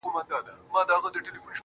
هر کله راته راسي هندوسوز په سجده کي